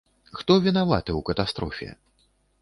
Хто вінаваты ў катастрофе?